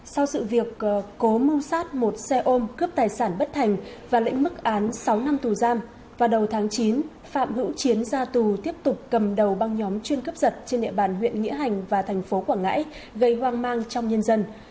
sau sự việc cố mưu sát một xe ôm cướp tài sản bất thành và lệnh mức án sáu năm tù giam vào đầu tháng chín phạm hữu chiến ra tù tiếp tục cầm đầu băng nhóm chuyên cướp giật trên địa bàn huyện nghĩa hành và thành phố quảng ngãi gây hoang mang trong nhân dân